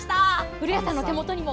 古谷さんの手元にも。